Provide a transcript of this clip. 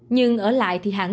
nhưng ở lại thì hẳn sẽ